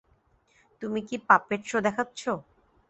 তুমি কি puppet show দেখাচ্ছো?